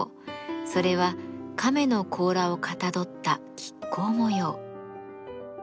それは亀の甲羅をかたどった亀甲模様。